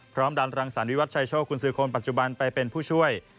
ดันรังสรรวิวัตชัยโชคกุญสือคนปัจจุบันไปเป็นผู้ช่วย